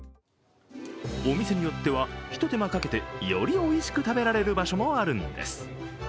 お店によってはひと手間かけてよりおいしく食べられる場所もあるんです。